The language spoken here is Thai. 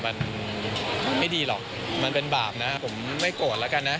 มันไม่ดีหรอกมันเป็นบาปนะผมไม่โกรธแล้วกันนะ